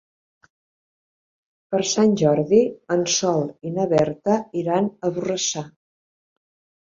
Per Sant Jordi en Sol i na Berta iran a Borrassà.